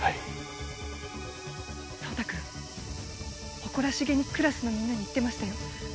誇らしげにクラスのみんなに言ってましたよ